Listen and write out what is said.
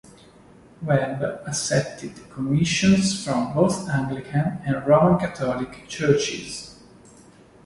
Webb accepted commissions from both Anglican and Roman Catholic churches.